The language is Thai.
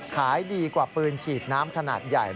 ขายดีกว่าปืนฉีดน้ำขนาดใหญ่